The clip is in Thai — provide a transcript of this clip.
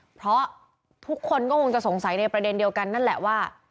เพราะทุกคนก็คงจะสงสัยในประเด็นเดียวกันนั่นแหละว่า